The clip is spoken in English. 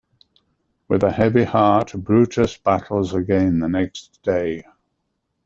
With a heavy heart, Brutus battles again the next day.